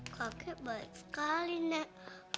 kakek baik sekali nek